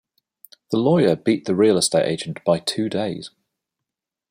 The lawyer beat the real estate agent by two days.